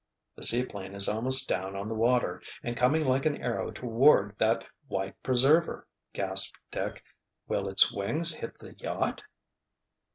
"The seaplane is almost down on the water—and coming like an arrow toward that white preserver!" gasped Dick. "Will its wings hit the yacht?"